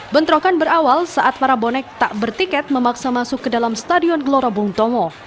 bentrokan berawal saat para bonek tak bertiket memaksa masuk ke dalam stadion gelora bung tomo